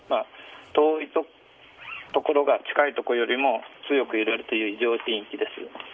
遠いところが近いところよりも強く揺れるという異常震域です。